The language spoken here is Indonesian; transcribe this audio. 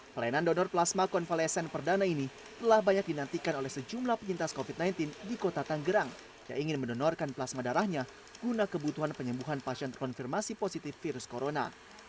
pelayanan donor plasma konvalesen perdana ini telah banyak dinantikan oleh sejumlah penyintas covid sembilan belas di kota tanggerang yang ingin mendonorkan plasma darahnya guna kebutuhan penyembuhan pasien konfirmasi positif virus corona